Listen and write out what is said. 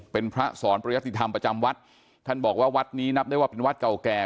เป็นพระสอนปริยติธรรมประจำวัดท่านบอกว่าวัดนี้นับได้ว่าเป็นวัดเก่าแก่